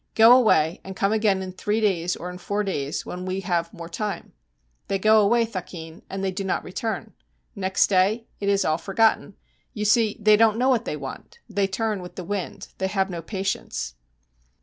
Go away, and come again in three days or in four days, when we have more time." They go away, thakin, and they do not return. Next day it is all forgotten. You see, they don't know what they want; they turn with the wind they have no patience.'